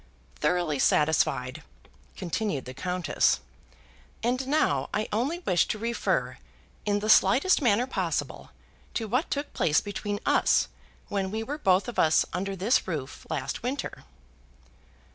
"Thoroughly satisfied," continued the Countess; "and now, I only wish to refer, in the slightest manner possible, to what took place between us when we were both of us under this roof last winter."